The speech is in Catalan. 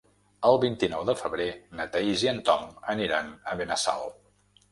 El vint-i-nou de febrer na Thaís i en Tom aniran a Benassal.